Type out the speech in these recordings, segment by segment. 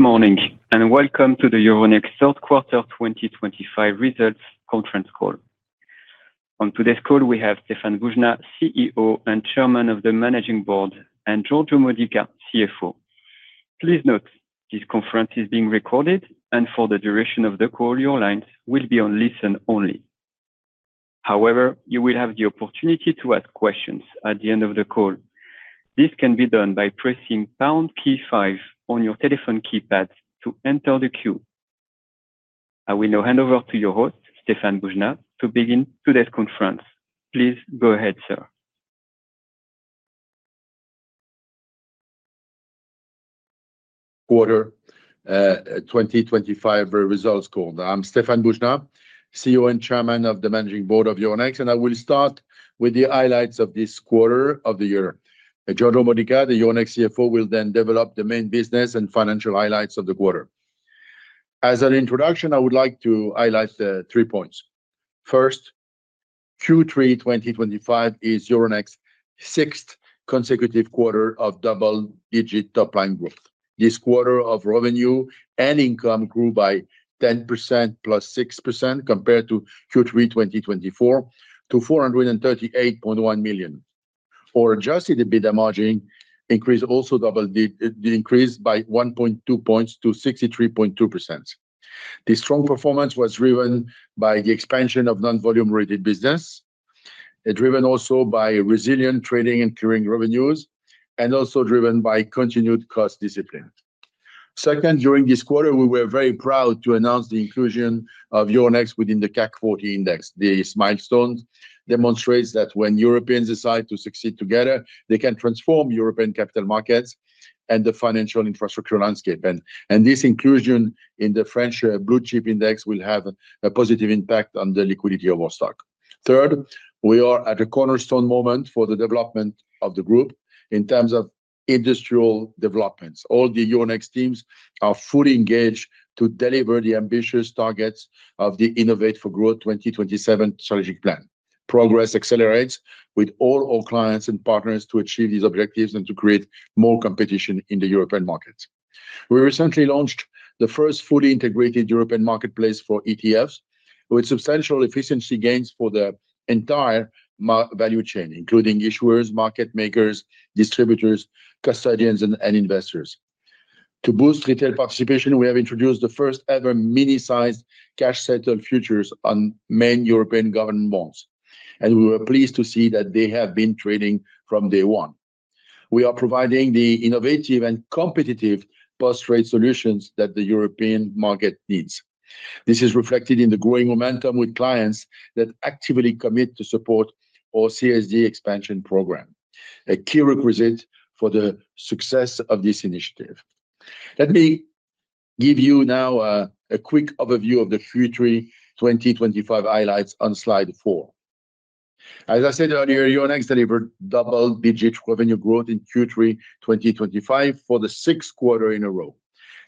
Morning, and welcome to the Euronext third quarter 2025 results conference call. On today's call, we have Stéphane Boujnah, CEO and Chairman of the Managing Board, and Giorgio Modica, CFO. Please note this conference is being recorded, and for the duration of the call, your lines will be on listen only. However, you will have the opportunity to ask questions at the end of the call. This can be done by pressing pound key five on your telephone keypad to enter the queue. I will now hand over to your host, Stéphane Boujnah, to begin today's conference. Please go ahead, sir. Quarter 2025 results call. I'm Stéphane Boujnah, CEO and Chairman of the Managing Board of Euronext, and I will start with the highlights of this quarter of the year. Giorgio Modica, the Euronext CFO, will then develop the main business and financial highlights of the quarter. As an introduction, I would like to highlight three points. First. Q3 2025 is Euronext's sixth consecutive quarter of double-digit top-line growth. This quarter of revenue and income grew by 10%+6% compared to Q3 2024, to $438.1 million. Or just a bit emerging, increased also double the increase by 1.2 points to 63.2%. This strong performance was driven by the expansion of non-volume-rated business. Driven also by resilient trading and clearing revenues, and also driven by continued cost discipline. Second, during this quarter, we were very proud to announce the inclusion of Euronext within the CAC 40 index. This milestone demonstrates that when Europeans decide to succeed together, they can transform European capital markets and the financial infrastructure landscape. This inclusion in the French Blue-chip index will have a positive impact on the liquidity of our stock. Third, we are at a cornerstone moment for the development of the group in terms of industrial developments. All the Euronext teams are fully engaged to deliver the ambitious targets of the Innovate for Growth 2027 strategic plan. Progress accelerates with all our clients and partners to achieve these objectives and to create more competition in the European markets. We recently launched the first fully integrated European marketplace for ETFs, with substantial efficiency gains for the entire value chain, including issuers, market makers, distributors, custodians, and investors. To boost retail participation, we have introduced the first-ever mini-sized cash-settled futures on main European government bonds, and we were pleased to see that they have been trading from day one. We are providing the innovative and competitive post-trade solutions that the European market needs. This is reflected in the growing momentum with clients that actively commit to support our CSD expansion program, a key requisite for the success of this initiative. Let me give you now a quick overview of the Q3 2025 highlights on slide four. As I said earlier, Euronext delivered double-digit revenue growth in Q3 2025 for the sixth quarter in a row.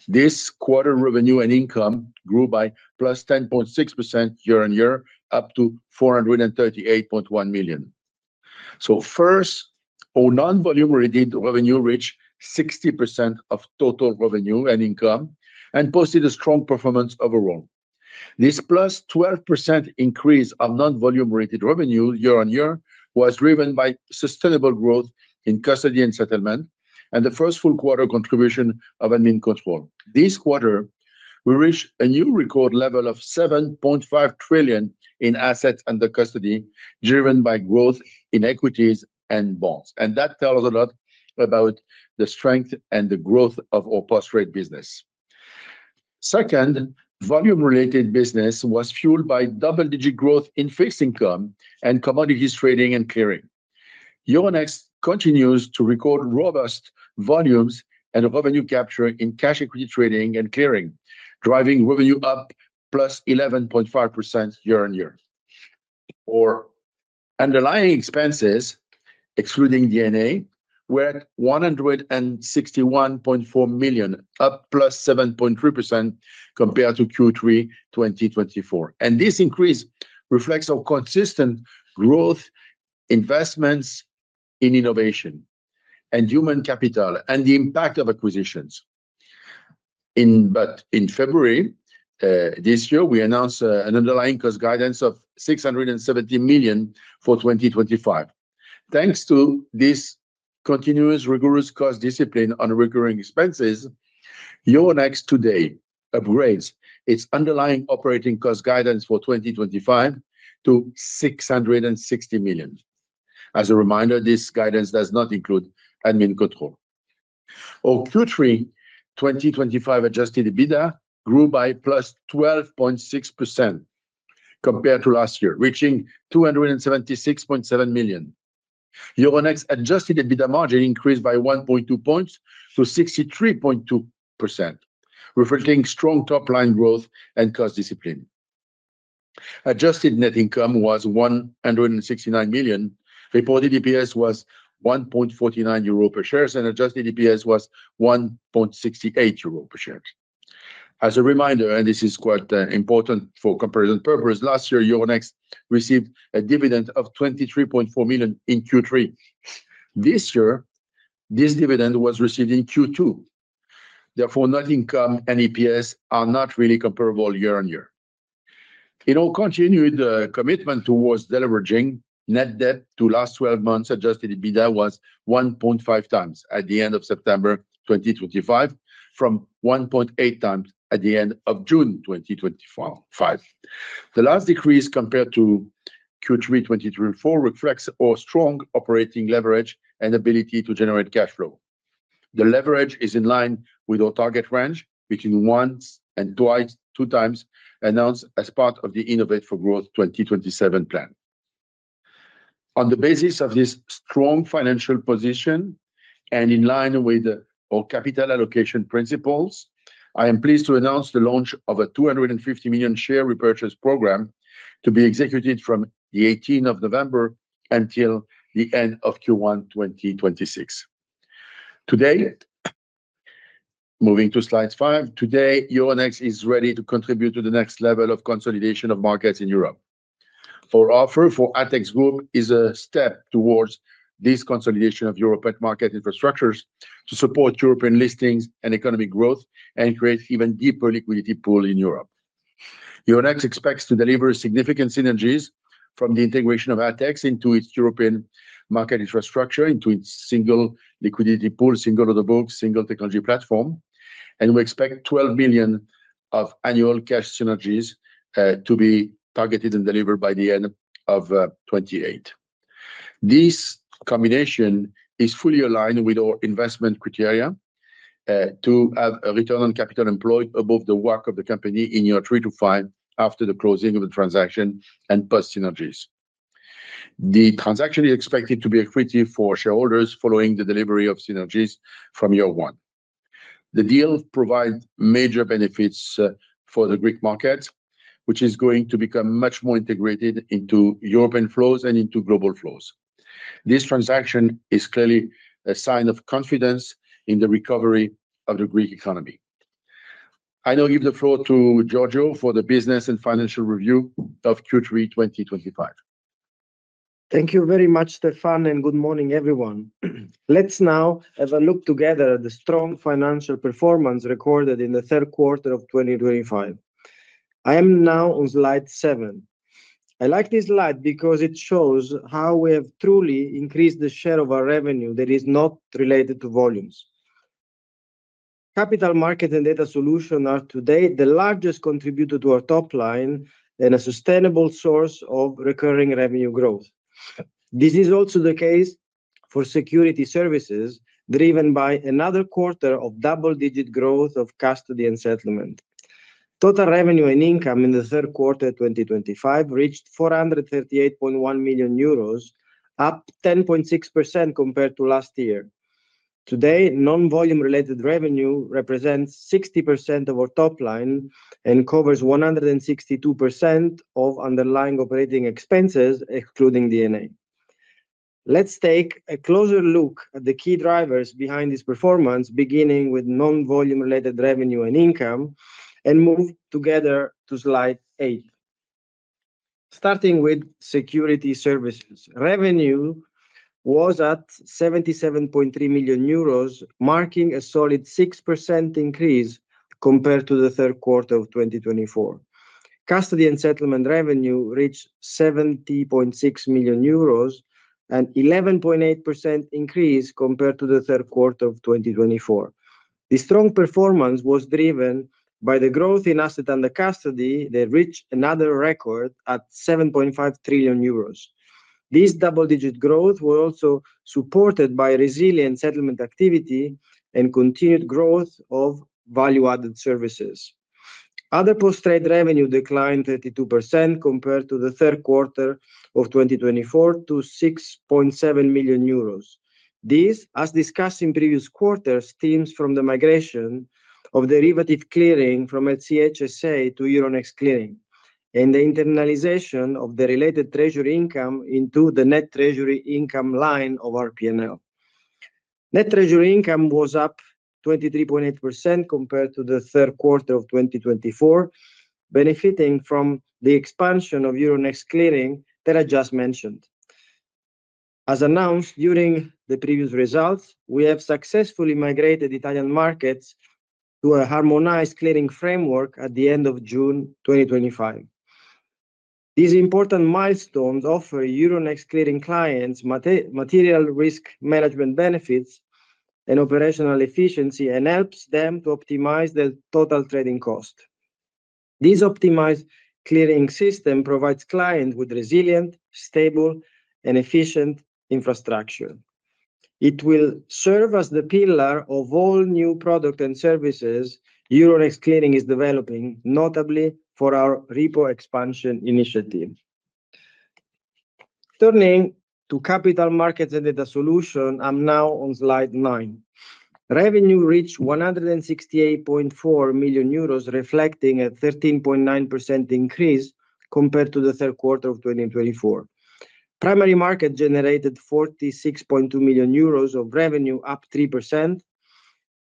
This quarter revenue and income grew by +10.6% year-on-year, up to $438.1 million. Our non-volume-rated revenue reached 60% of total revenue and income and posted a strong performance overall. This =12% increase of non-volume-rated revenue year-on-year was driven by sustainable growth in custody and settlement and the first full quarter contribution of Admincontrol. This quarter, we reached a new record level of 7.5 trillion in assets under custody, driven by growth in equities and bonds. That tells a lot about the strength and the growth of our post-trade business. Second, volume-related business was fueled by double-digit growth in fixed income and commodities trading and clearing. Euronext continues to record robust volumes and revenue capture in cash equity trading and clearing, driving revenue up +11.5% year-on-year. Our underlying expenses, excluding D&A, were at 161.4 million, up +7.3% compared to Q3 2024. This increase reflects our consistent growth, investments in innovation, and human capital, and the impact of acquisitions. In February. This year, we announced an underlying cost guidance of 670 million for 2025. Thanks to this continuous rigorous cost discipline on recurring expenses. Euronext today upgrades its underlying operating cost guidance for 2025 to $660 million. As a reminder, this guidance does not include Admincontrol. Our Q3 2025 adjusted EBITDA grew by +12.6% compared to last year, reaching $276.7 million. Euronext adjusted EBITDA margin increased by 1.2 percentage points to 63.2%, reflecting strong top-line growth and cost discipline. Adjusted net income was $169 million. Reported EPS was 1.49 euro per share, and adjusted EPS was 1.68 euro per share. As a reminder, and this is quite important for comparison purposes, last year, Euronext received a dividend of $23.4 million in Q3. This year, this dividend was received in Q2. Therefore, net income and EPS are not really comparable year-on-year. In our continued commitment towards leveraging net debt to last 12 months, adjusted EBITDA was 1.5x at the end of September 2025 from 1.8x at the end of June 2025. The last decrease compared to Q3 2024 reflects our strong operating leverage and ability to generate cash flow. The leverage is in line with our target range between one and two times announced as part of the Innovate for Growth 2027 plan. On the basis of this strong financial position, and in line with our capital allocation principles, I am pleased to announce the launch of a 250 million share repurchase program to be executed from the 18th of November until the end of Q1 2026. Moving to slide five, today, Euronext is ready to contribute to the next level of consolidation of markets in Europe. Our offer for ATEX Group is a step towards this consolidation of European market infrastructures to support European listings and economic growth and create an even deeper liquidity pool in Europe. Euronext expects to deliver significant synergies from the integration of ATEX into its European market infrastructure, into its single liquidity pool, single order book, single technology platform. We expect 12 million of annual cash synergies to be targeted and delivered by the end of 2028. This combination is fully aligned with our investment criteria. To have a return on capital employed above the work of the company in year three to five after the closing of the transaction and post-synergies. The transaction is expected to be equity for shareholders following the delivery of synergies from year one. The deal provides major benefits for the Greek market, which is going to become much more integrated into European flows and into global flows. This transaction is clearly a sign of confidence in the recovery of the Greek economy. I now give the floor to Giorgio for the business and financial review of Q3 2025. Thank you very much, Stéphane, and good morning, everyone. Let's now have a look together at the strong financial performance recorded in the third quarter of 2025. I am now on slide seven. I like this slide because it shows how we have truly increased the share of our revenue that is not related to volumes. Capital market and data solutions are today the largest contributor to our top line and a sustainable source of recurring revenue growth. This is also the case for security services, driven by another quarter of double-digit growth of custody and settlement. Total revenue and income in the third quarter of 2025 reached 438.1 million euros, up 10.6% compared to last year. Today, non-volume-related revenue represents 60% of our top line and covers 162% of underlying operating expenses, excluding D&A. Let's take a closer look at the key drivers behind this performance, beginning with non-volume-related revenue and income, and move together to slide eight. Starting with security services, revenue was at 77.3 million euros, marking a solid 6% increase compared to the third quarter of 2024. Custody and settlement revenue reached 70.6 million euros, an 11.8% increase compared to the third quarter of 2024. The strong performance was driven by the growth in assets under custody that reached another record at 7.5 trillion euros. This double-digit growth was also supported by resilient settlement activity and continued growth of value-added services. Other post-trade revenue declined 32% compared to the third quarter of 2024 to 6.7 million euros. This, as discussed in previous quarters, stems from the migration of derivative clearing from LCH SA to Euronext Clearing and the internalization of the related treasury income into the net treasury income line of our P&L. Net treasury income was up 23.8% compared to the third quarter of 2024, benefiting from the expansion of Euronext Clearing that I just mentioned. As announced during the previous results, we have successfully migrated Italian markets to a harmonized clearing framework at the end of June 2025. These important milestones offer Euronext Clearing clients material risk management benefits and operational efficiency and helps them to optimize their total trading cost. This optimized clearing system provides clients with resilient, stable, and efficient infrastructure. It will serve as the pillar of all new products and services Euronext Clearing is developing, notably for our repo expansion initiative. Turning to capital markets and data solutions, I'm now on slide nine. Revenue reached 168.4 million euros, reflecting a 13.9% increase compared to the third quarter of 2024. Primary market generated 46.2 million euros of revenue, up 3%.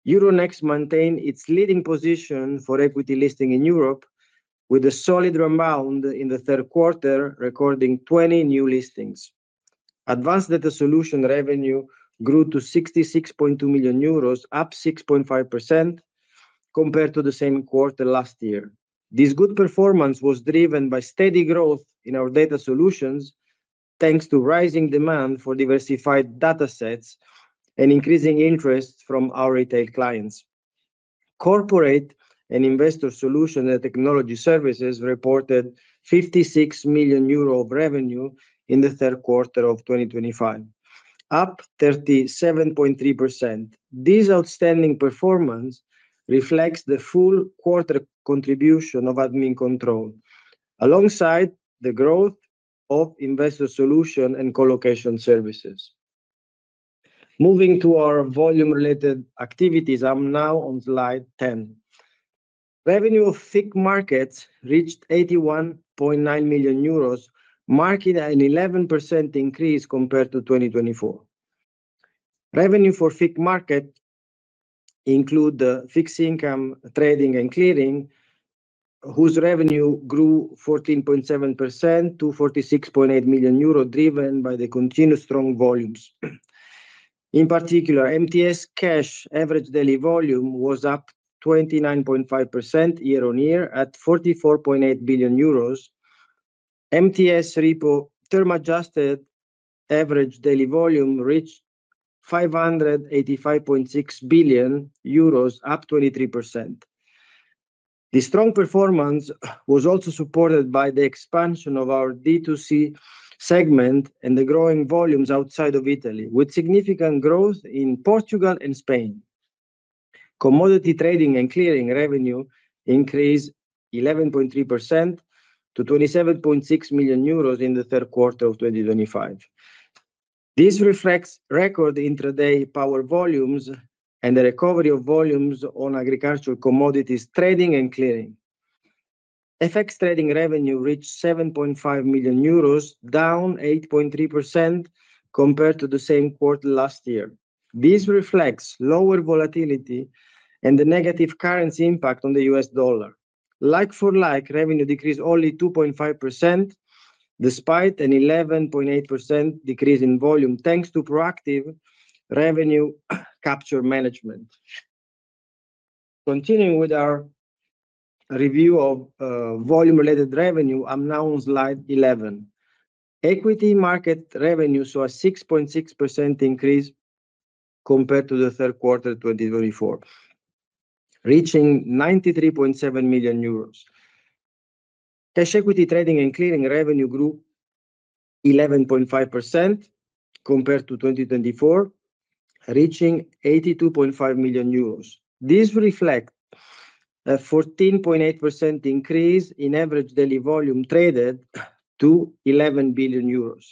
Euronext maintained its leading position for equity listing in Europe, with a solid rebound in the third quarter, recording 20 new listings. Advanced data solution revenue grew to 66.2 million euros, up 6.5% compared to the same quarter last year. This good performance was driven by steady growth in our data solutions, thanks to rising demand for diversified data sets and increasing interest from our retail clients. Corporate and investor solutions and technology services reported 56 million euro of revenue in the third quarter of 2025, up 37.3%. This outstanding performance reflects the full quarter contribution of Admincontrol, alongside the growth of investor solution and colocation services. Moving to our volume-related activities, I'm now on slide ten. Revenue of fixed markets reached 81.9 million euros, marking an 11% increase compared to 2024. Revenue for fixed markets includes fixed income trading and clearing. Whose revenue grew 14.7% to 46.8 million euro, driven by the continued strong volumes. In particular, MTS Cash average daily volume was up 29.5% year-on-year at 44.8 billion euros. MTS Repo term-adjusted average daily volume reached 585.6 billion euros, up 23%. The strong performance was also supported by the expansion of our D2C segment and the growing volumes outside of Italy, with significant growth in Portugal and Spain. Commodity trading and clearing revenue increased 11.3% to 27.6 million euros in the third quarter of 2025. This reflects record intraday power volumes and the recovery of volumes on agricultural commodities trading and clearing. FX trading revenue reached 7.5 million euros, down 8.3% compared to the same quarter last year. This reflects lower volatility and the negative currency impact on the U.S. dollar. Like-for-like, revenue decreased only 2.5% despite an 11.8% decrease in volume, thanks to proactive revenue capture management. Continuing with our review of volume-related revenue, I'm now on slide 11. Equity market revenue saw a 6.6% increase compared to the third quarter of 2024, reaching 93.7 million euros. Cash equity trading and clearing revenue grew 11.5% compared to 2024, reaching 82.5 million euros. This reflects a 14.8% increase in average daily volume traded to 11 billion euros.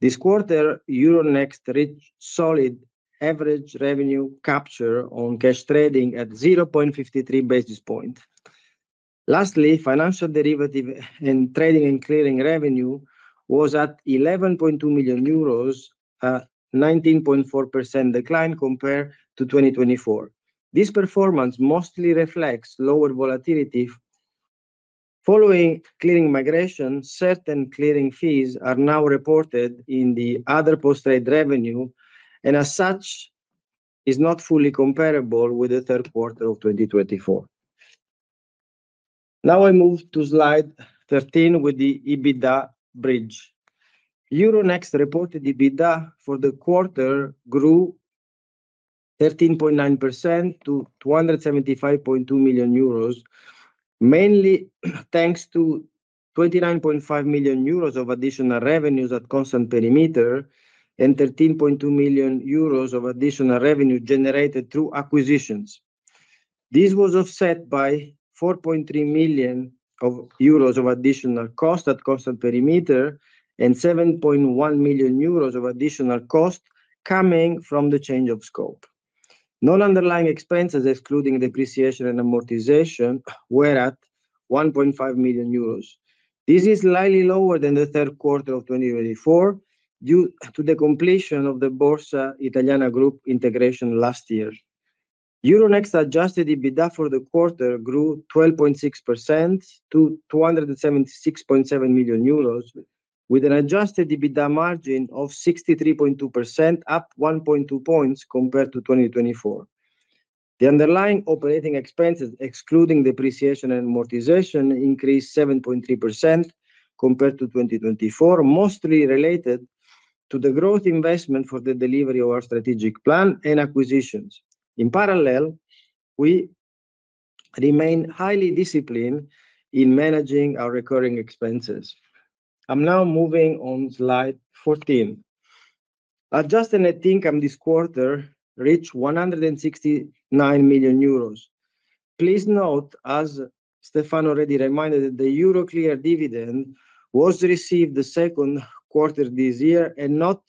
This quarter, Euronext reached solid average revenue capture on cash trading at 0.53 basis points. Lastly, financial derivative and trading and clearing revenue was at 11.2 million euros, a 19.4% decline compared to 2024. This performance mostly reflects lower volatility. Following clearing migration, certain clearing fees are now reported in the other post-trade revenue, and as such, is not fully comparable with the third quarter of 2024. Now I move to slide 13 with the EBITDA bridge. Euronext reported EBITDA for the quarter grew 13.9% to 275.2 million euros. Mainly thanks to 29.5 million euros of additional revenues at constant perimeter and 13.2 million euros of additional revenue generated through acquisitions. This was offset by 4.3 million euros of additional cost at constant perimeter and 7.1 million euros of additional cost coming from the change of scope. Non-underlying expenses, excluding depreciation and amortization, were at 1.5 million euros. This is slightly lower than the third quarter of 2024 due to the completion of the Borsa Italiana Group integration last year. Euronext adjusted EBITDA for the quarter grew 12.6% to 276.7 million euros, with an adjusted EBITDA margin of 63.2%, up 1.2 percentage points compared to 2024. The underlying operating expenses, excluding depreciation and amortization, increased 7.3% compared to 2024, mostly related to the growth investment for the delivery of our strategic plan and acquisitions. In parallel, we remain highly disciplined in managing our recurring expenses. I'm now moving on slide 14. Adjusted net income this quarter reached 169 million euros. Please note, as Stéphane already reminded, that the Euroclear dividend was received the second quarter this year and not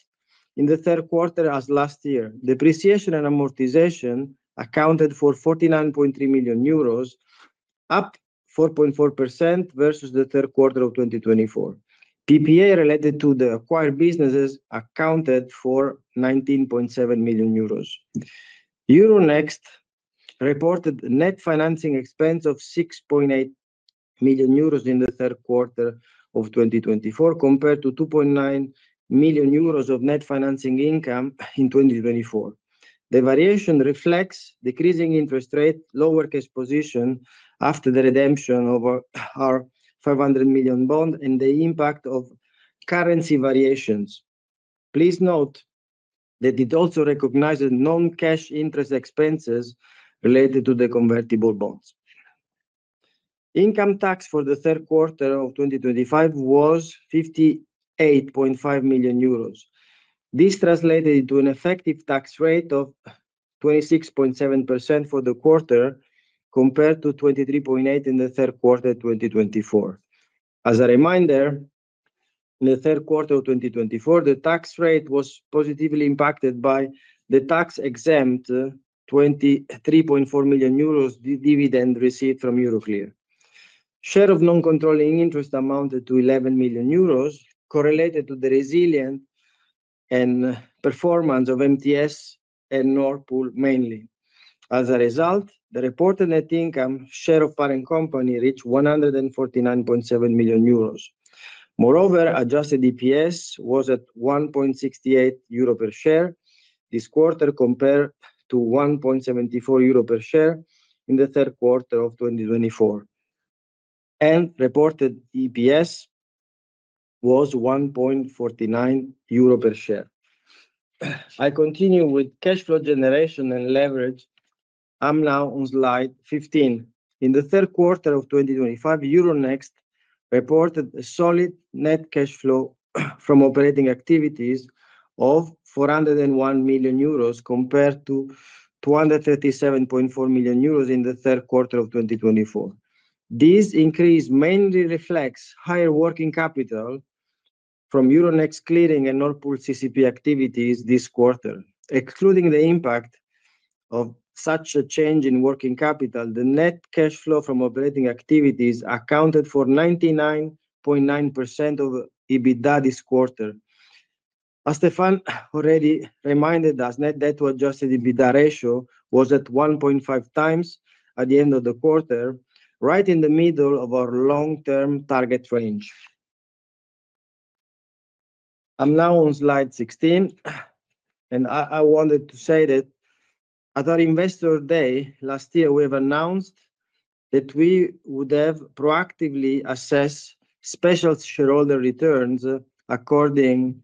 in the third quarter as last year. Depreciation and amortization accounted for 49.3 million euros, up 4.4% versus the third quarter of 2024. PPA related to the acquired businesses accounted for 19.7 million euros. Euronext reported net financing expense of 6.8 million euros in the third quarter of 2024, compared to 2.9 million euros of net financing income in 2024. The variation reflects decreasing interest rate, lower cash position after the redemption of our 500 million bond, and the impact of currency variations. Please note that it also recognizes non-cash interest expenses related to the convertible bonds. Income tax for the third quarter of 2025 was 58.5 million euros. This translated into an effective tax rate of 26.7% for the quarter compared to 23.8% in the third quarter of 2024. As a reminder. In the third quarter of 2024, the tax rate was positively impacted by the tax-exempt 23.4 million euros dividend received from Euroclear. Share of non-controlling interest amounted to 11 million euros, correlated to the resilient and performance of MTS and Northpool mainly. As a result, the reported net income share of parent company reached 149.7 million euros. Moreover, adjusted EPS was at 1.68 euro per share this quarter, compared to 1.74 euro per share in the third quarter of 2024. Reported EPS was 1.49 euro per share. I continue with cash flow generation and leverage. I'm now on slide 15. In the third quarter of 2025, Euronext reported a solid net cash flow from operating activities of 401 million euros compared to 237.4 million euros in the third quarter of 2024. This increase mainly reflects higher working capital. From Euronext Clearing and Northpool CCP activities this quarter. Excluding the impact of such a change in working capital, the net cash flow from operating activities accounted for 99.9% of EBITDA this quarter. As Stéphane already reminded us, net debt to adjusted EBITDA ratio was at 1.5x at the end of the quarter, right in the middle of our long-term target range. I'm now on slide 16. I wanted to say that at our Investor Day last year, we have announced that we would have proactively assessed special shareholder returns according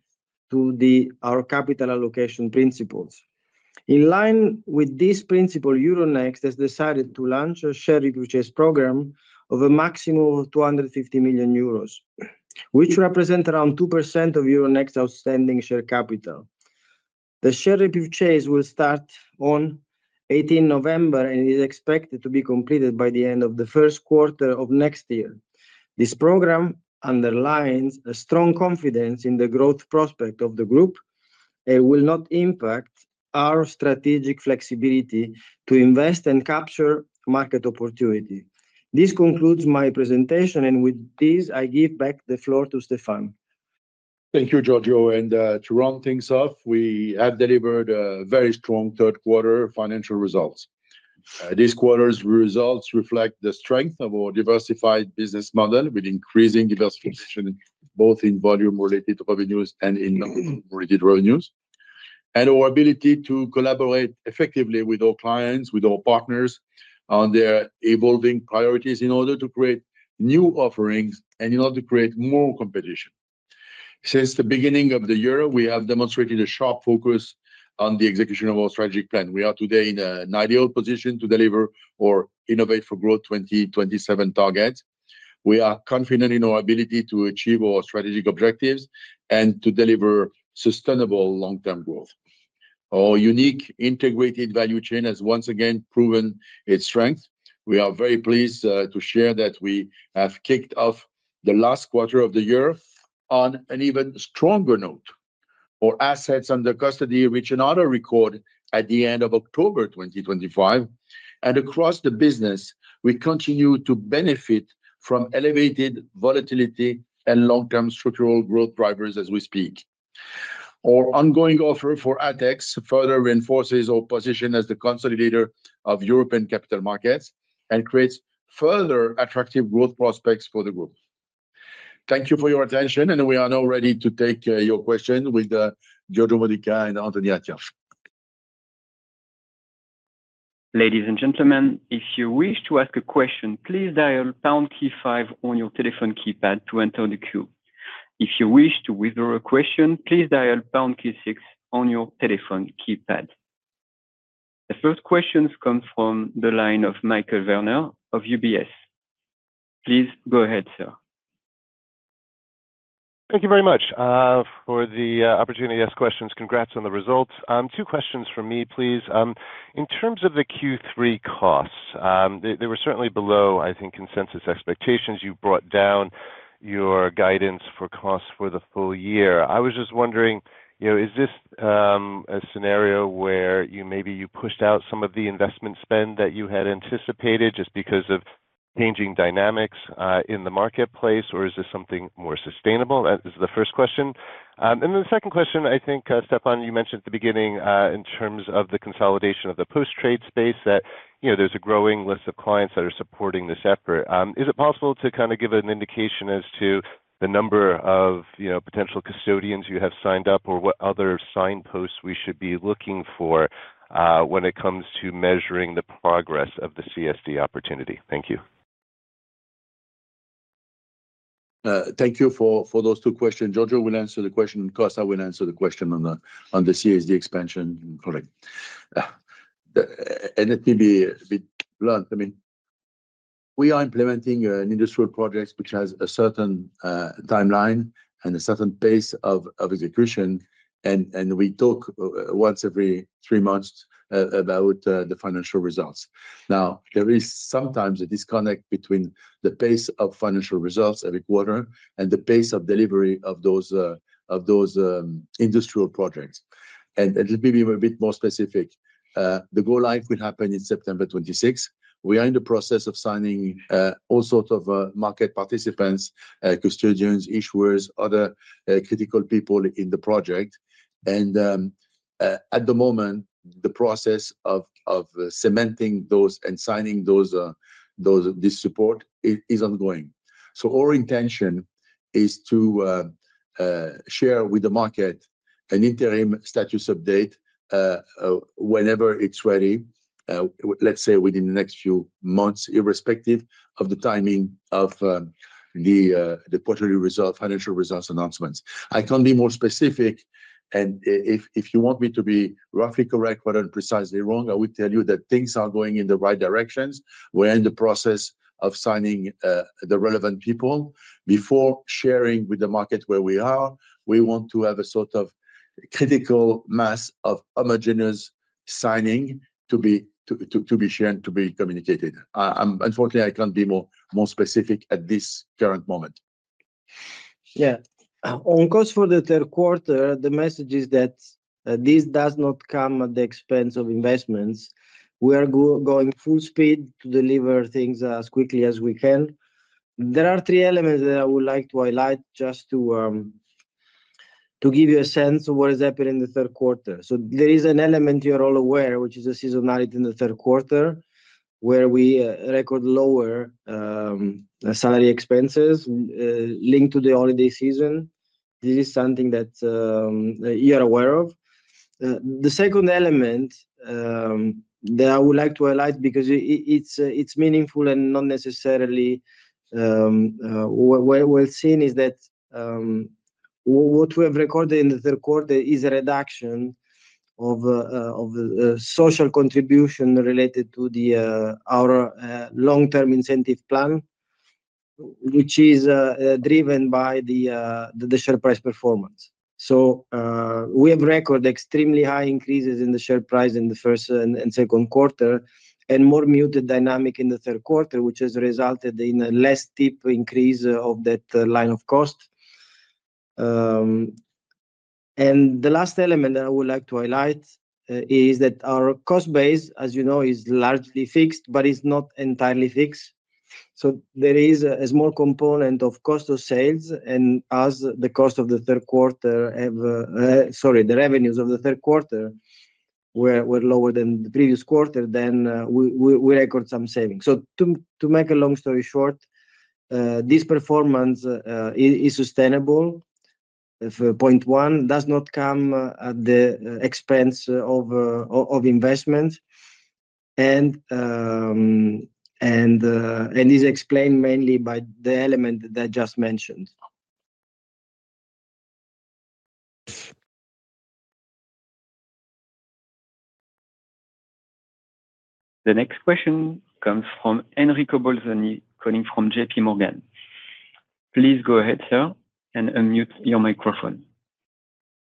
to our capital allocation principles. In line with this principle, Euronext has decided to launch a share repurchase program of a maximum of 250 million euros, which represents around 2% of Euronext's outstanding share capital. The share repurchase will start on. 18 November and is expected to be completed by the end of the first quarter of next year. This program underlines a strong confidence in the growth prospect of the group. It will not impact our strategic flexibility to invest and capture market opportunity. This concludes my presentation, and with this, I give back the floor to Stéphane. Thank you, Giorgio. To round things off, we have delivered very strong third-quarter financial results. This quarter's results reflect the strength of our diversified business model, with increasing diversification both in volume-related revenues and in non-volume-related revenues, and our ability to collaborate effectively with our clients, with our partners, on their evolving priorities in order to create new offerings and in order to create more competition. Since the beginning of the year, we have demonstrated a sharp focus on the execution of our strategic plan. We are today in an ideal position to deliver or innovate for Growth 2027 targets. We are confident in our ability to achieve our strategic objectives and to deliver sustainable long-term growth. Our unique integrated value chain has once again proven its strength. We are very pleased to share that we have kicked off the last quarter of the year on an even stronger note. Our assets under custody reach another record at the end of October 2025. Across the business, we continue to benefit from elevated volatility and long-term structural growth drivers as we speak. Our ongoing offer for ATEX further reinforces our position as the consolidator of European capital markets and creates further attractive growth prospects for the group. Thank you for your attention, and we are now ready to take your questions with Giorgio Modica and Anthony Attia. Ladies and gentlemen, if you wish to ask a question, please dial pound key five on your telephone keypad to enter the queue. If you wish to withdraw a question, please dial pound key six on your telephone keypad. The first questions come from the line of Michael Werner of UBS. Please go ahead, sir. Thank you very much for the opportunity to ask questions. Congrats on the results. Two questions from me, please. In terms of the Q3 costs, they were certainly below, I think, consensus expectations. You brought down your guidance for costs for the full year. I was just wondering, is this a scenario where maybe you pushed out some of the investment spend that you had anticipated just because of changing dynamics in the marketplace, or is this something more sustainable? That is the first question. Then the second question, I think, Stéphane, you mentioned at the beginning in terms of the consolidation of the post-trade space, that there is a growing list of clients that are supporting this effort. Is it possible to kind of give an indication as to the number of potential custodians you have signed up or what other signposts we should be looking for when it comes to measuring the progress of the CSD opportunity? Thank you. Thank you for those two questions. Giorgio will answer the question, and of course, I will answer the question on the CSD expansion project. Let me be a bit blunt. I mean, we are implementing an industrial project which has a certain timeline and a certain pace of execution, and we talk once every three months about the financial results. Now, there is sometimes a disconnect between the pace of financial results every quarter and the pace of delivery of those industrial projects. Let me be a bit more specific. The go-live will happen in September 26. We are in the process of signing all sorts of market participants, custodians, issuers, other critical people in the project. At the moment, the process of cementing those and signing this support is ongoing. Our intention is to share with the market an interim status update whenever it's ready, let's say within the next few months, irrespective of the timing of the quarterly result, financial results announcements. I can't be more specific. If you want me to be roughly correct, but unprecisely wrong, I would tell you that things are going in the right directions. We're in the process of signing the relevant people. Before sharing with the market where we are, we want to have a sort of critical mass of homogenous signing to be shared and to be communicated. Unfortunately, I can't be more specific at this current moment. Yeah. On course for the third quarter, the message is that this does not come at the expense of investments. We are going full speed to deliver things as quickly as we can. There are three elements that I would like to highlight just to give you a sense of what is happening in the third quarter. There is an element you're all aware, which is the seasonality in the third quarter, where we record lower salary expenses linked to the holiday season. This is something that you're aware of. The second element that I would like to highlight because it's meaningful and not necessarily well seen is that what we have recorded in the third quarter is a reduction of social contribution related to our long-term incentive plan, which is driven by the share price performance. We have recorded extremely high increases in the share price in the first and second quarter and more muted dynamic in the third quarter, which has resulted in a less steep increase of that line of cost. The last element that I would like to highlight is that our cost base, as you know, is largely fixed, but it is not entirely fixed. There is a small component of cost of sales, and as the revenues of the third quarter were lower than the previous quarter, we record some savings. To make a long story short, this performance is sustainable. 0.1 does not come at the expense of investments and is explained mainly by the element that I just mentioned. The next question comes from Enrico Bolzoni calling from JP Morgan. Please go ahead, sir, and unmute your microphone.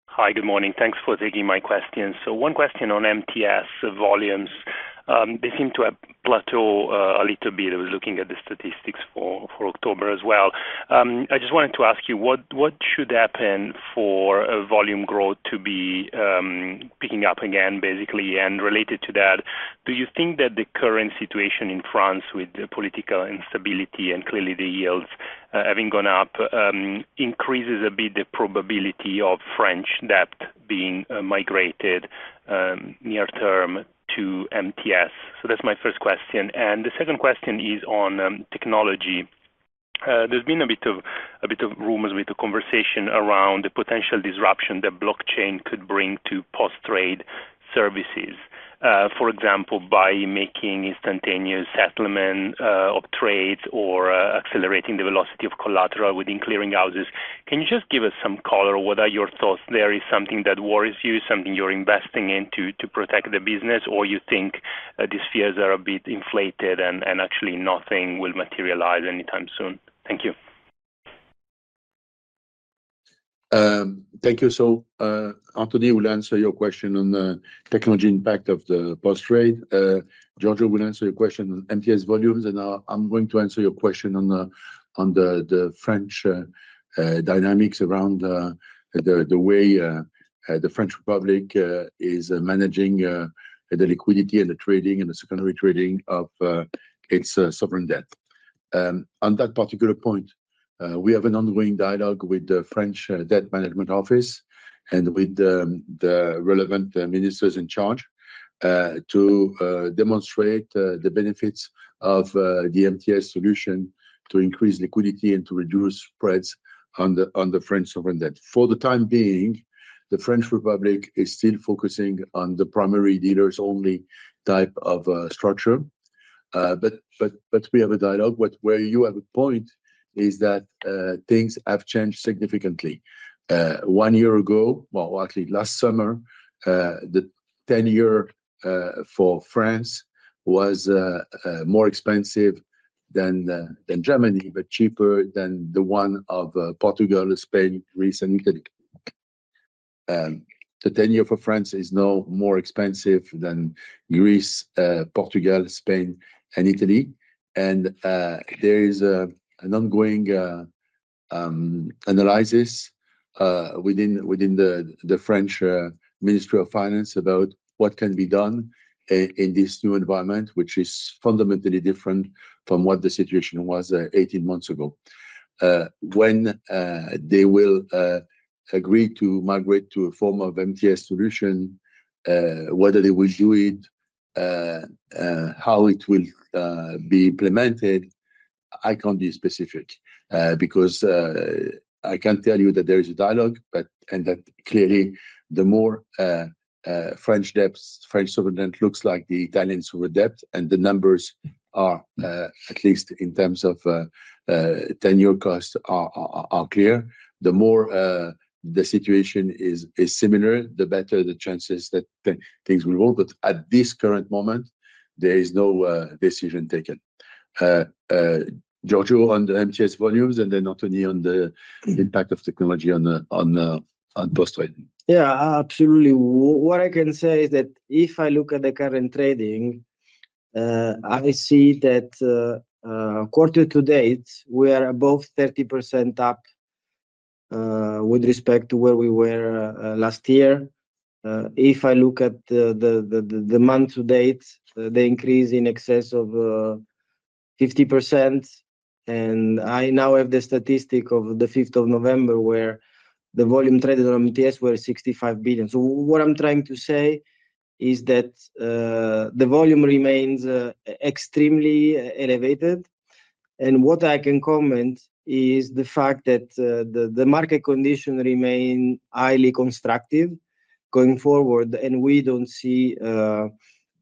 Hi, good morning. Thanks for taking my question. One question on MTS volumes. They seem to have plateaued a little bit. I was looking at the statistics for October as well. I just wanted to ask you, what should happen for volume growth to be picking up again, basically? Related to that, do you think that the current situation in France with the political instability and clearly the yields having gone up increases a bit the probability of French debt being migrated near-term to MTS? That's my first question. The second question is on technology. There's been a bit of. Rumors, a bit of conversation around the potential disruption that blockchain could bring to post-trade services, for example, by making instantaneous settlement of trades or accelerating the velocity of collateral within clearing houses. Can you just give us some color? What are your thoughts there? Is it something that worries you, something you're investing in to protect the business, or you think these fears are a bit inflated and actually nothing will materialize anytime soon? Thank you. Thank you. Anthony will answer your question on the technology impact of the post-trade. Giorgio will answer your question on MTS volumes, and I'm going to answer your question on the French dynamics around the way the French Republic is managing the liquidity and the trading and the secondary trading of its sovereign debt. On that particular point, we have an ongoing dialogue with the French debt management office and with the relevant ministers in charge. To demonstrate the benefits of the MTS solution to increase liquidity and to reduce spreads on the French sovereign debt. For the time being, the French Republic is still focusing on the primary dealers-only type of structure. We have a dialogue. Where you have a point is that things have changed significantly. One year ago, actually last summer, the tenure for France was more expensive than Germany, but cheaper than the one of Portugal, Spain, Greece, and Italy. The tenure for France is now more expensive than Greece, Portugal, Spain, and Italy. There is an ongoing analysis within the French Ministry of Finance about what can be done in this new environment, which is fundamentally different from what the situation was 18 months ago. When they will agree to migrate to a form of MTS solution, whether they will do it, how it will be implemented, I can't be specific because I can tell you that there is a dialogue, and that clearly the more French debt, French sovereign debt looks like the Italian sovereign debt, and the numbers are, at least in terms of tenure costs, are clear, the more the situation is similar, the better the chances that things will roll. At this current moment, there is no decision taken. Giorgio on the MTS volumes, and then Anthony on the impact of technology on post-trade. Yeah, absolutely. What I can say is that if I look at the current trading, I see that quarter to date, we are above 30% up with respect to where we were last year. If I look at the month to date, the increase in excess of 50%. I now have the statistic of the 5th of November where the volume traded on MTS was 65 billion. What I'm trying to say is that the volume remains extremely elevated. What I can comment is the fact that the market condition remains highly constructive going forward, and we do not see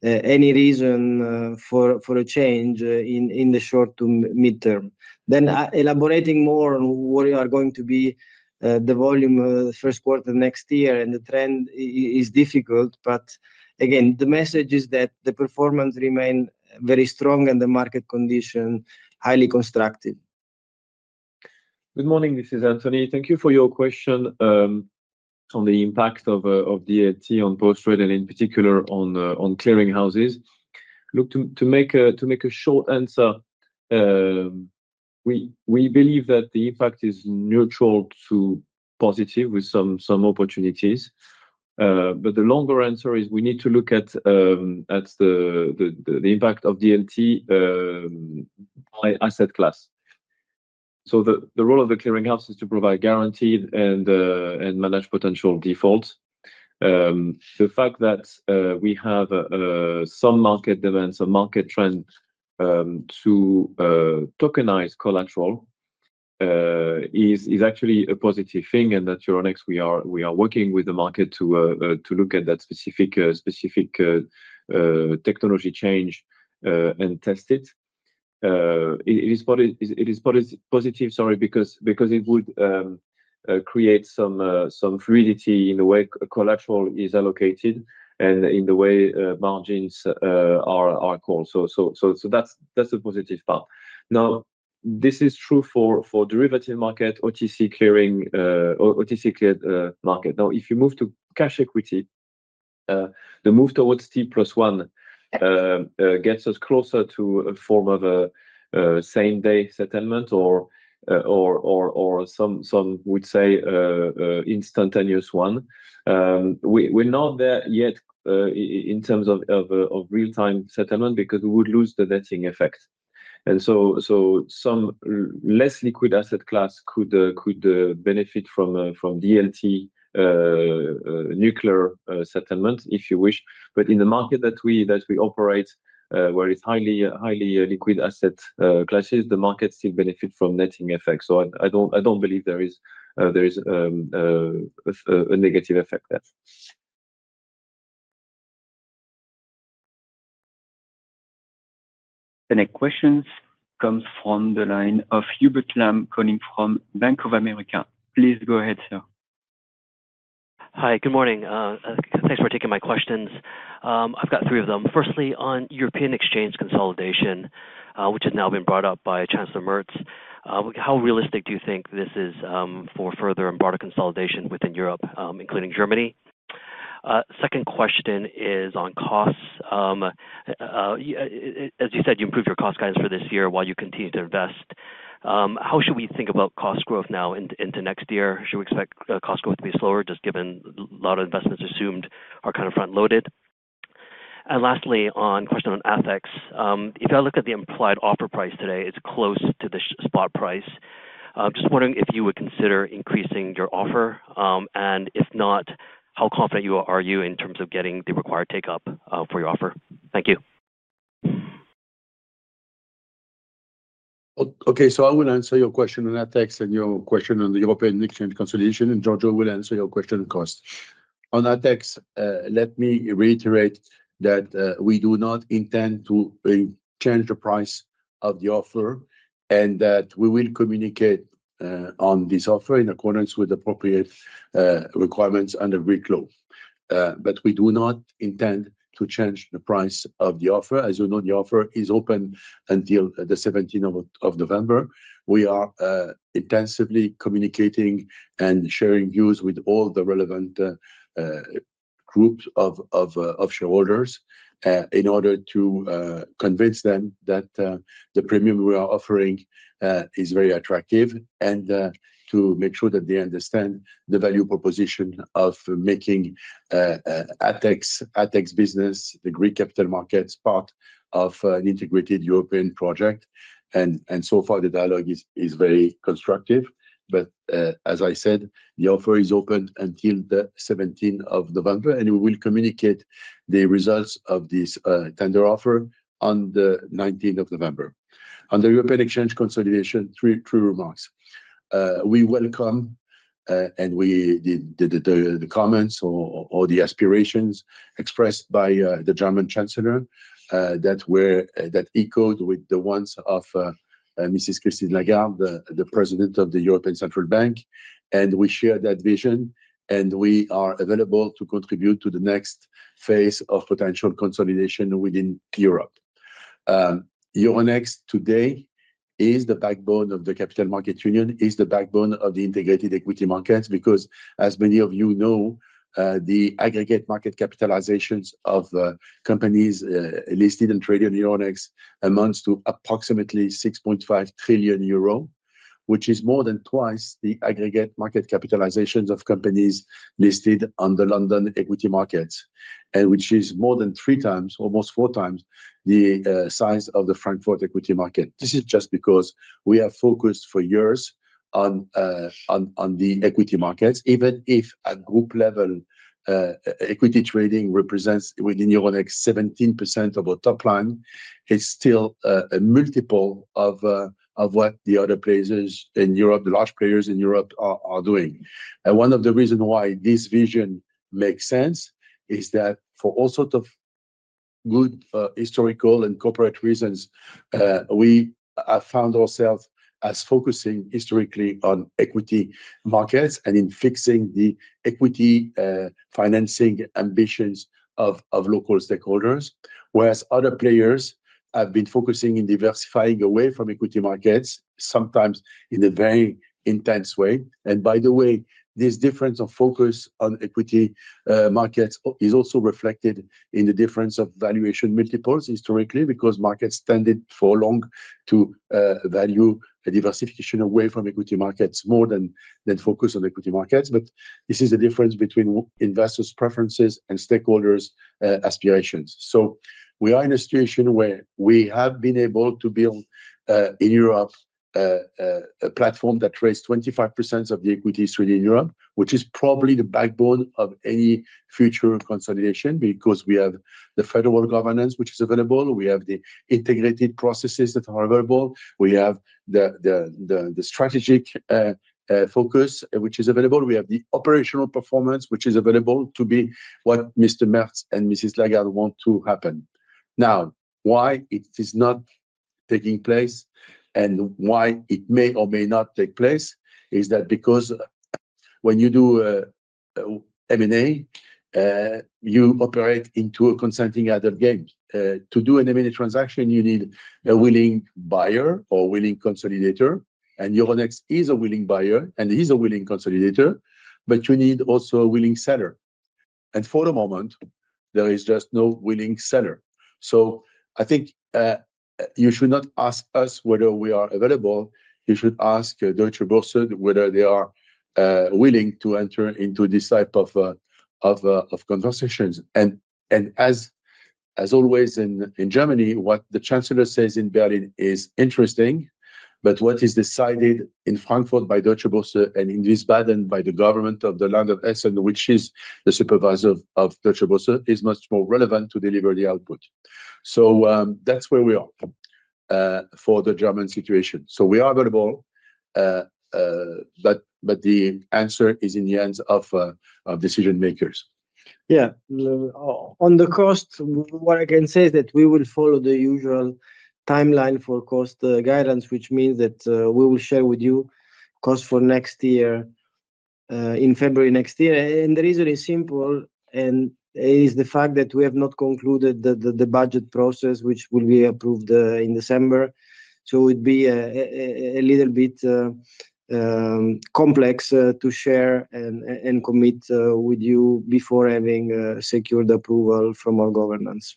any reason for a change in the short to midterm. Elaborating more on what are going to be the volume the first quarter next year and the trend is difficult, but again, the message is that the performance remains very strong and the market condition is highly constructive. Good morning. This is Anthony. Thank you for your question. On the impact of the ET on post-trade and in particular on clearing houses. To make a short answer, we believe that the impact is neutral to positive with some opportunities. The longer answer is we need to look at the impact of the ET by asset class. The role of the clearing house is to provide guarantees and manage potential defaults. The fact that we have some market demands, some market trends to tokenize collateral is actually a positive thing, and at Euronext we are working with the market to look at that specific technology change and test it. It is positive, sorry, because it would create some fluidity in the way collateral is allocated and in the way margins are called. That is the positive part. Now, this is true for derivative market, OTC clearing market. Now, if you move to cash equity, the move towards T+1 gets us closer to a form of same-day settlement or, some would say, instantaneous 1. We're not there yet in terms of real-time settlement because we would lose the netting effect. Some less liquid asset class could benefit from DLT nuclear settlement, if you wish. In the market that we operate, where it's highly liquid asset classes, the market still benefits from netting effects. I don't believe there is a negative effect there. The next question comes from the line of Hubert Lam, calling from Bank of America. Please go ahead, sir. Hi, good morning. Thanks for taking my questions. I've got three of them. Firstly, on European exchange consolidation, which has now been brought up by Chancellor Merz, how realistic do you think this is for further and broader consolidation within Europe, including Germany? Second question is on costs. As you said, you improved your cost guidance for this year while you continue to invest. How should we think about cost growth now into next year? Should we expect cost growth to be slower just given a lot of investments assumed are kind of front-loaded? Lastly, on the question on ATEX, if I look at the implied offer price today, it is close to the spot price. Just wondering if you would consider increasing your offer, and if not, how confident are you in terms of getting the required take-up for your offer? Thank you. Okay, I will answer your question on ATEX and your question on the European exchange consolidation, and Giorgio will answer your question on cost. On ATEX, let me reiterate that we do not intend to change the price of the offer and that we will communicate on this offer in accordance with appropriate requirements under Greek law. We do not intend to change the price of the offer. As you know, the offer is open until the 17th of November. We are intensively communicating and sharing views with all the relevant groups of shareholders in order to convince them that the premium we are offering is very attractive and to make sure that they understand the value proposition of making ATEX business, the Greek capital markets, part of an integrated European project. So far, the dialogue is very constructive. As I said, the offer is open until the 17th of November, and we will communicate the results of this tender offer on the 19th of November. On the European exchange consolidation, three remarks. We welcome the comments or the aspirations expressed by the German Chancellor that echoed with the ones of Mrs. Christine Lagarde, the President of the European Central Bank. We share that vision, and we are available to contribute to the next phase of potential consolidation within Europe. Euronext today is the backbone of the capital market union, is the backbone of the integrated equity markets, because, as many of you know, the aggregate market capitalizations of companies listed and traded in Euronext amounts to approximately 6.5 trillion euro, which is more than twice the aggregate market capitalizations of companies listed on the London equity markets, and which is more than three times, almost four times, the size of the Frankfurt equity market. This is just because we have focused for years on the equity markets. Even if at group level equity trading represents within Euronext 17% of our top line, it is still a multiple of what the other players in Europe, the large players in Europe, are doing. One of the reasons why this vision makes sense is that for all sorts of good historical and corporate reasons, we have found ourselves as focusing historically on equity markets and in fixing the equity financing ambitions of local stakeholders, whereas other players have been focusing in diversifying away from equity markets, sometimes in a very intense way. By the way, this difference of focus on equity markets is also reflected in the difference of valuation multiples historically, because markets tended for long to value a diversification away from equity markets more than focus on equity markets. This is the difference between investors' preferences and stakeholders' aspirations. We are in a situation where we have been able to build in Europe. A platform that raised 25% of the equity in Europe, which is probably the backbone of any future consolidation, because we have the federal governance which is available. We have the integrated processes that are available. We have the strategic focus which is available. We have the operational performance which is available to be what Mr. Merz and Mrs. Lagarde want to happen. Now, why it is not taking place and why it may or may not take place is that because when you do M&A, you operate into a consenting adult game. To do an M&A transaction, you need a willing buyer or willing consolidator, and Euronext is a willing buyer and is a willing consolidator, but you need also a willing seller. For the moment, there is just no willing seller. I think you should not ask us whether we are available. You should ask Deutsche Börse whether they are willing to enter into this type of conversations. As always in Germany, what the Chancellor says in Berlin is interesting, but what is decided in Frankfurt by Deutsche Börse and in Wiesbaden by the government of the Land of Essen, which is the supervisor of Deutsche Börse, is much more relevant to deliver the output. That is where we are for the German situation. We are available, but the answer is in the hands of decision-makers. On the cost, what I can say is that we will follow the usual timeline for cost guidance, which means that we will share with you costs for next year in February next year. The reason is simple, and it is the fact that we have not concluded the budget process, which will be approved in December. It would be a little bit complex to share and commit with you before having secured approval from our governance.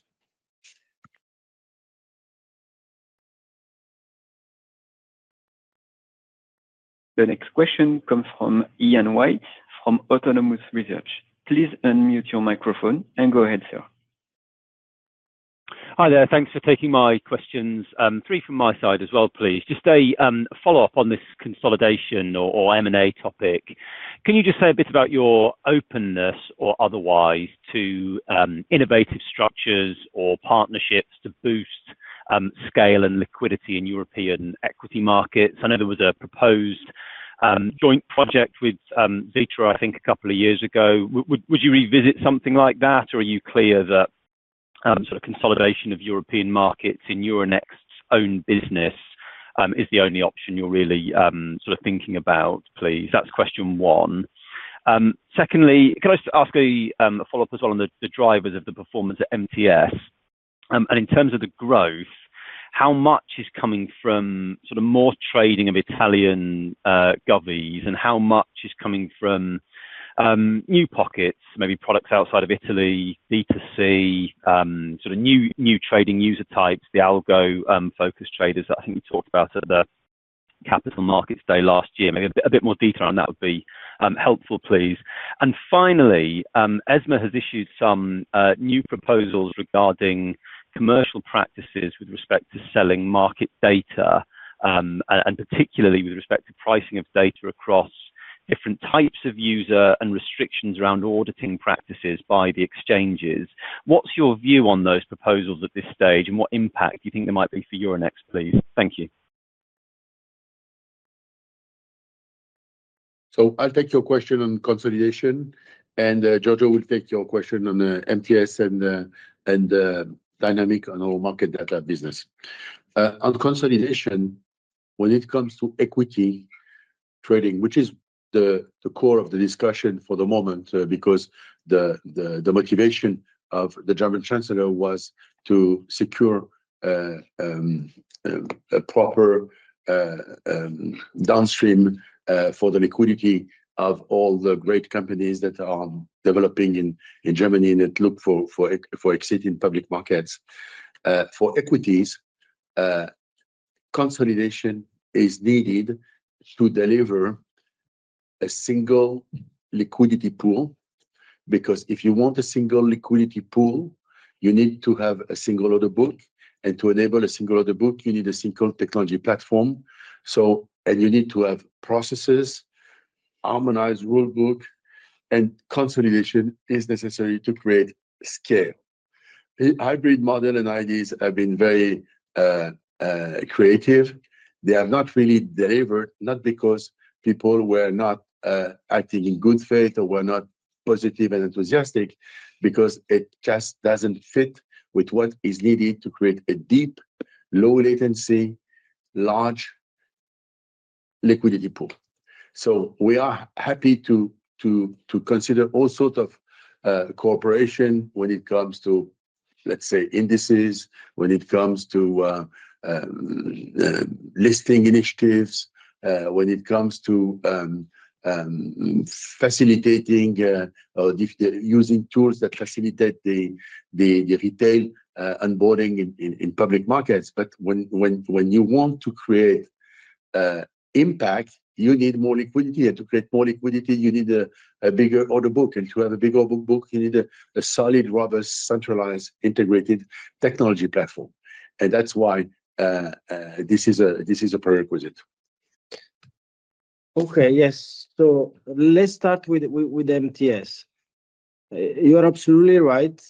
The next question comes from Ian White from Autonomous Research. Please unmute your microphone and go ahead, sir. Hi there. Thanks for taking my questions. Three from my side as well, please. Just a follow-up on this consolidation or M&A topic. Can you just say a bit about your openness or otherwise to innovative structures or partnerships to boost scale and liquidity in European equity markets? I know there was a proposed joint project with Xetra, I think, a couple of years ago. Would you revisit something like that, or are you clear that sort of consolidation of European markets in Euronext's own business is the only option you're really sort of thinking about, please? That's question one. Secondly, can I ask a follow-up as well on the drivers of the performance at MTS? In terms of the growth, how much is coming from sort of more trading of Italian govies and how much is coming from new pockets, maybe products outside of Italy, B2C, sort of new trading user types, the algo-focused traders that I think we talked about at the Capital Markets Day last year? Maybe a bit more detail on that would be helpful, please. Finally, ESMA has issued some new proposals regarding commercial practices with respect to selling market data. Particularly with respect to pricing of data across different types of user and restrictions around auditing practices by the exchanges. What's your view on those proposals at this stage, and what impact do you think there might be for Euronext, please? Thank you. I'll take your question on consolidation, and Giorgio will take your question on MTS and dynamic on our market data business. On consolidation, when it comes to equity trading, which is the core of the discussion for the moment because the motivation of the German Chancellor was to secure a proper downstream for the liquidity of all the great companies that are developing in Germany and look for exiting public markets. For equities, consolidation is needed to deliver a single liquidity pool because if you want a single liquidity pool, you need to have a single order book. To enable a single order book, you need a single technology platform. You need to have processes, harmonized rule book, and consolidation is necessary to create scale. Hybrid model and ideas have been very creative. They have not really delivered, not because people were not. Acting in good faith or were not positive and enthusiastic, because it just does not fit with what is needed to create a deep, low-latency, large liquidity pool. We are happy to consider all sorts of cooperation when it comes to, let's say, indices, when it comes to listing initiatives, when it comes to facilitating or using tools that facilitate the retail onboarding in public markets. When you want to create impact, you need more liquidity. To create more liquidity, you need a bigger order book. To have a bigger order book, you need a solid, robust, centralized, integrated technology platform. That is why this is a prerequisite. Okay, yes. Let's start with MTS. You are absolutely right.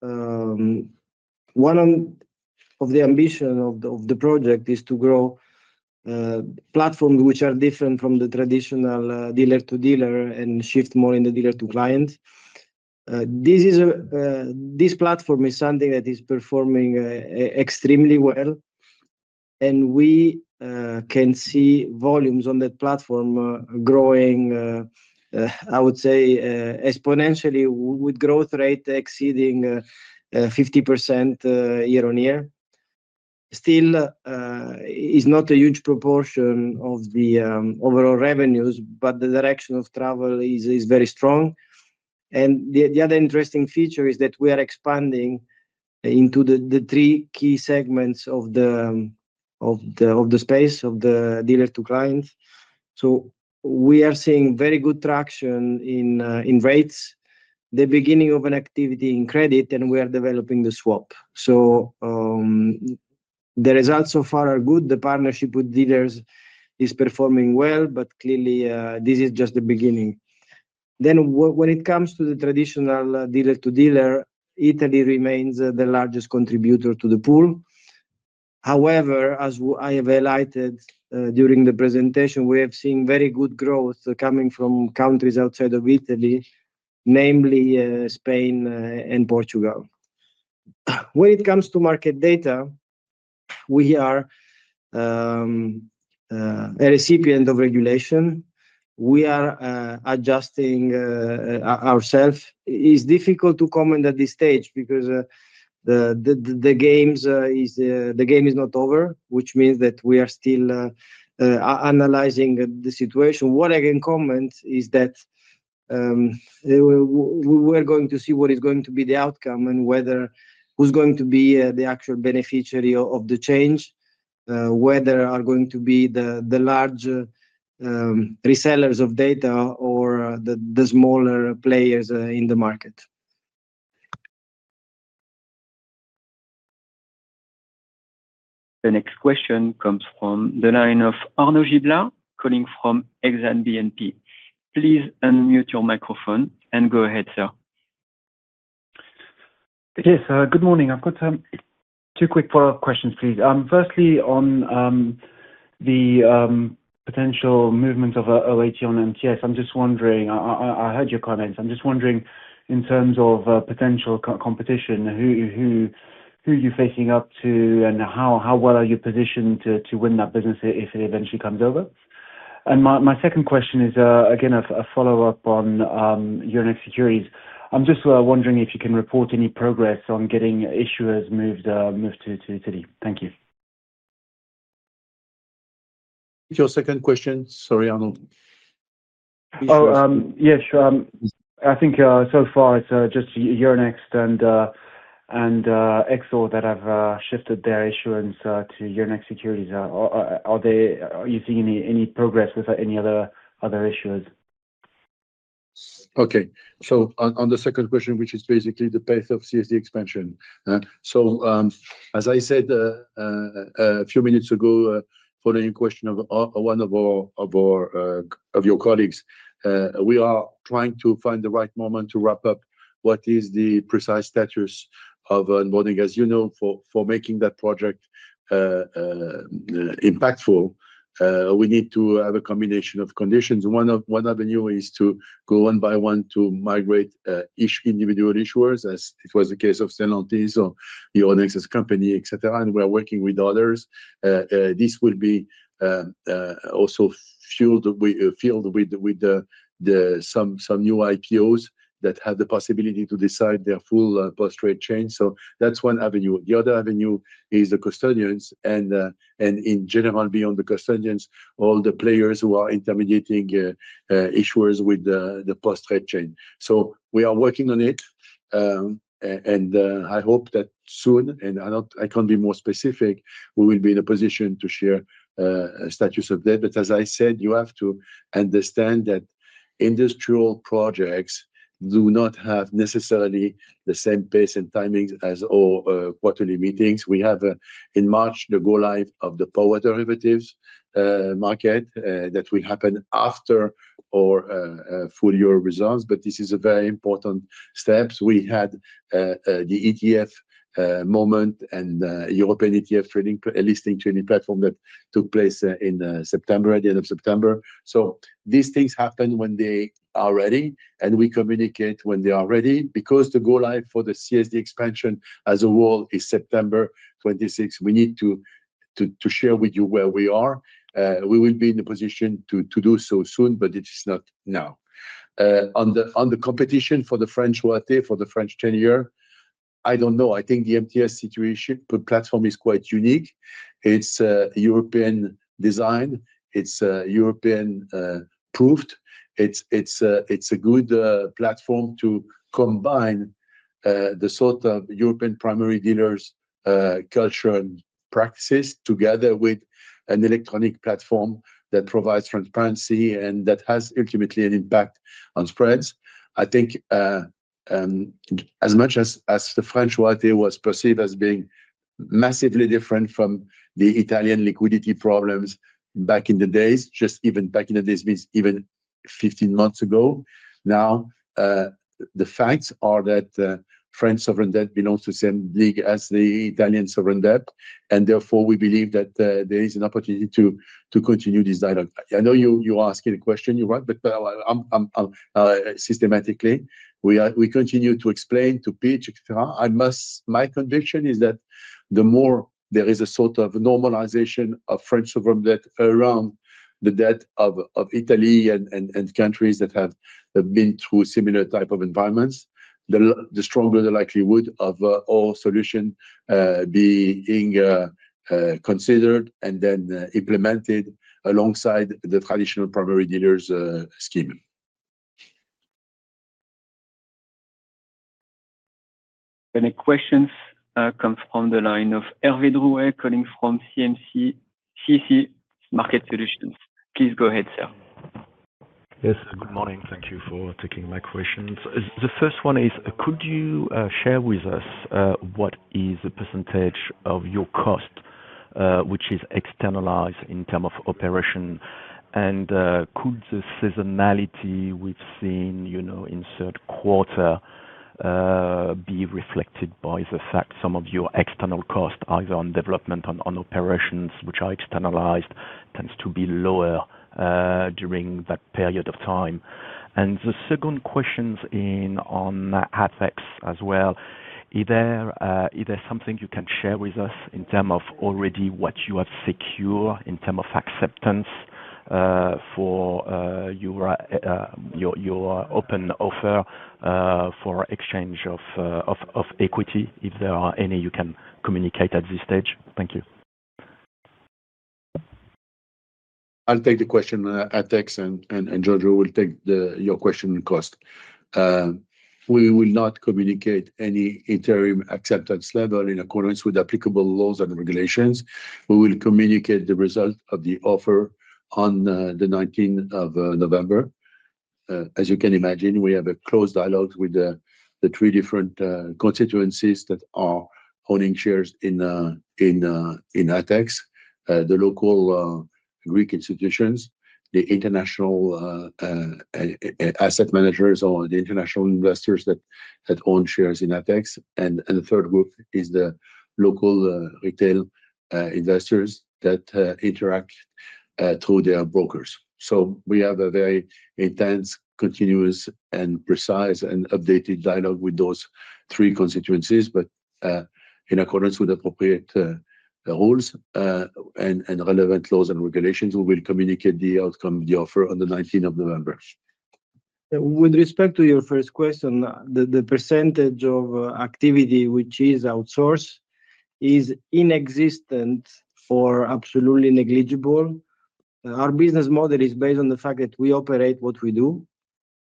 One of the ambitions of the project is to grow platforms which are different from the traditional dealer-to-dealer and shift more in the dealer-to-client. This platform is something that is performing extremely well. We can see volumes on that platform growing. I would say, exponentially, with growth rates exceeding 50% year-on-year. Still, it is not a huge proportion of the overall revenues, but the direction of travel is very strong. The other interesting feature is that we are expanding into the three key segments of the space of the dealer-to-client. We are seeing very good traction in rates, the beginning of an activity in credit, and we are developing the swap. The results so far are good. The partnership with dealers is performing well, but clearly, this is just the beginning. When it comes to the traditional dealer-to-dealer, Italy remains the largest contributor to the pool. However, as I have highlighted during the presentation, we have seen very good growth coming from countries outside of Italy, namely Spain and Portugal. When it comes to market data, we are a recipient of regulation. We are adjusting ourselves. It's difficult to comment at this stage because the game is not over, which means that we are still analyzing the situation. What I can comment is that we're going to see what is going to be the outcome and who's going to be the actual beneficiary of the change, whether there are going to be the large resellers of data or the smaller players in the market. The next question comes from the line of Arnaud Giblat calling from Exane BNP. Please unmute your microphone and go ahead, sir. Yes, good morning. I've got two quick follow-up questions, please. Firstly, on the potential movement of OAT on MTS, I'm just wondering—I heard your comments—I'm just wondering in terms of potential competition, who you're facing up to and how well are you positioned to win that business if it eventually comes over? My second question is, again, a follow-up on Euronext securities. I'm just wondering if you can report any progress on getting issuers moved to Italy. Thank you. Your second question. Sorry, Arnaud. Oh, yeah, sure. I think so far, it's just Euronext and Exxon that have shifted their issuance to Euronext securities. Are you seeing any progress with any other issuers? Okay. On the second question, which is basically the pace of CSD expansion. As I said a few minutes ago, following a question of one of your colleagues, we are trying to find the right moment to wrap up what is the precise status of onboarding. As you know, for making that project impactful, we need to have a combination of conditions. One avenue is to go one by one to migrate each individual issuer, as it was the case of Stellantis or Euronext's company, etc., and we are working with others. This will be also filled with some new IPOs that have the possibility to decide their full post-trade change. That is one avenue. The other avenue is the custodians, and in general, beyond the custodians, all the players who are intermediating issuers with the post-trade change. We are working on it, and I hope that soon, and I cannot be more specific, we will be in a position to share a status of that. As I said, you have to understand that industrial projects do not have necessarily the same pace and timings as all quarterly meetings. We have, in March, the go-live of the power derivatives market that will happen after our full year results. This is a very important step. We had the ETF moment and European ETF listing trading platform that took place in September, at the end of September. These things happen when they are ready, and we communicate when they are ready. Because the go-live for the CSD expansion as a whole is September 26, we need to share with you where we are. We will be in a position to do so soon, but it is not now. On the competition for the French royalty, for the French tenure, I do not know. I think the MTS platform is quite unique. It is European design. It is European proved. It is a good platform to combine. The sort of European primary dealers' culture and practices together with an electronic platform that provides transparency and that has ultimately an impact on spreads. I think as much as the French royalty was perceived as being massively different from the Italian liquidity problems back in the days, just even back in the days, means even 15 months ago. Now, the facts are that French sovereign debt belongs to the same league as the Italian sovereign debt. Therefore, we believe that there is an opportunity to continue this dialog. I know you're asking a question. You're right, but systematically, we continue to explain, to pitch, etc. My conviction is that the more there is a sort of normalization of French sovereign debt around the debt of Italy and countries that have been through similar types of environments, the stronger the likelihood of all solutions being. Considered and then implemented alongside the traditional primary dealers' scheme. The next question comes from the line of Hervé Drouet, calling from CMC Market Solutions. Please go ahead, sir. Yes, good morning. Thank you for taking my questions. The first one is, could you share with us what is the percentage of your cost which is externalized in terms of operation? Could the seasonality we've seen in third quarter be reflected by the fact some of your external costs, either on development or on operations, which are externalized, tends to be lower during that period of time? The second question's on HFX as well. Is there something you can share with us in terms of already what you have secured in terms of acceptance for your open offer for exchange of equity? If there are any, you can communicate at this stage. Thank you. I'll take the question, Alex, and Giorgio will take your question in cost. We will not communicate any interim acceptance level in accordance with applicable laws and regulations. We will communicate the result of the offer on the 19th of November. As you can imagine, we have a close dialogue with the three different constituencies that are owning shares in HFX: the local Greek institutions, the international asset managers, or the international investors that own shares in HFX. The third group is the local retail investors that interact through their brokers. We have a very intense, continuous, and precise, and updated dialogue with those three constituencies. In accordance with appropriate rules and relevant laws and regulations, we will communicate the outcome of the offer on the 19th of November. With respect to your first question, the percentage of activity which is outsourced is inexistent or absolutely negligible. Our business model is based on the fact that we operate what we do.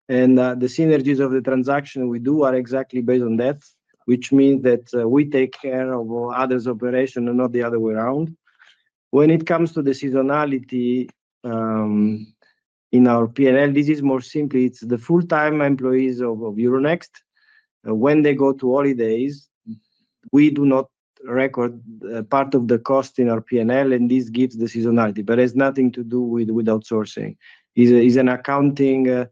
The synergies of the transaction we do are exactly based on that, which means that we take care of others' operations and not the other way around. When it comes to the seasonality, in our P&L, this is more simply the full-time employees of Euronext. When they go to holidays, we do not record part of the cost in our P&L, and this gives the seasonality. It has nothing to do with outsourcing. It is an accounting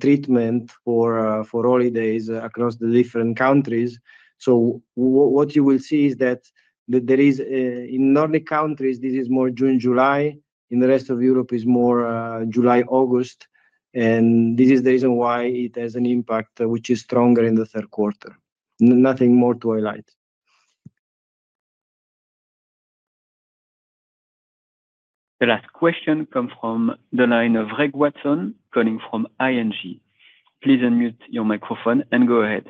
treatment for holidays across the different countries. What you will see is that in normal countries, this is more June, July. In the rest of Europe, it is more July, August. This is the reason why it has an impact which is stronger in the third quarter. Nothing more to highlight. The last question comes from the line of Greg Watson, calling from ING. Please unmute your microphone and go ahead.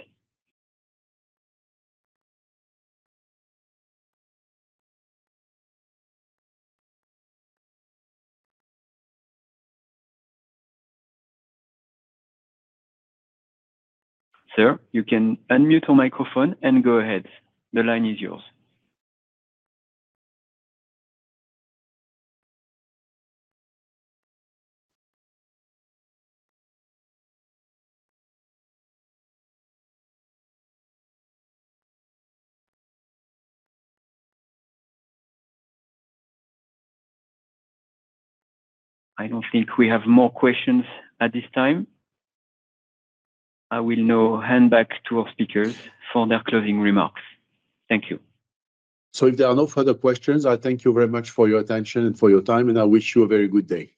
Sir, you can unmute your microphone and go ahead. The line is yours. I do not think we have more questions at this time. I will now hand back to our speakers for their closing remarks. Thank you. If there are no further questions, I thank you very much for your attention and for your time, and I wish you a very good day.